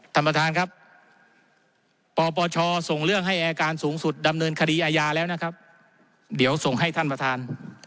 ท่านประธานครับปปชส่งเรื่องให้อายการสูงสุดดำเนินคดีอาญาแล้วนะครับเดี๋ยวส่งให้ท่านประธาน